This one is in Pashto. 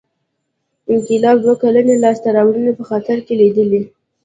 انقلاب دوه کلنۍ لاسته راوړنې په خطر کې لیدې.